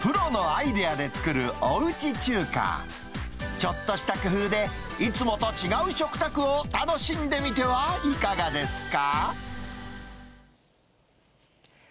ちょっとした工夫で、いつもと違う食卓を楽しんでみてはいかがですか。